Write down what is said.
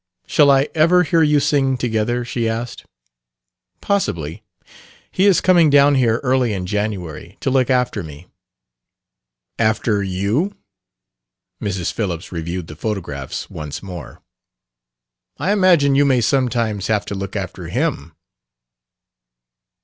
Shall I ever hear you sing together?" she asked. "Possibly. He is coming down here early in January. To look after me." "After you?" Mrs. Phillips reviewed the photographs once more. "I imagine you may sometimes have to look after him."